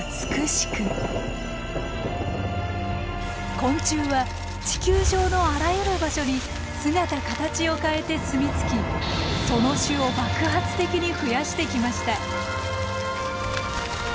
昆虫は地球上のあらゆる場所に姿形を変えてすみつきその種を爆発的に増やしてきました。